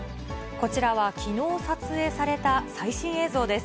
こちらは、きのう撮影された最新映像です。